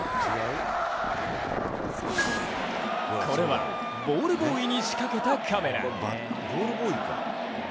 これはボールボーイに仕掛けたカメラ。